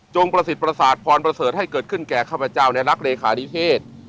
ประสิทธิประสาทพรประเสริฐให้เกิดขึ้นแก่ข้าพเจ้าในรักเลขานิเทศ